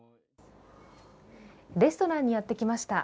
レストランにやってきました。